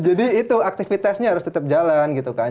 ya jadi itu aktivitasnya harus tetep jalan gitu kan